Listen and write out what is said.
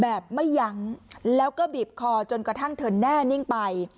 แบบไม่ยั้งแล้วก็บีบคอจนกระทั่งเธอแน่นิ่งไป